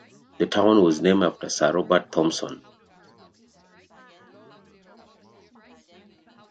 The town was named after Sir Robert Thompson, an English landholder.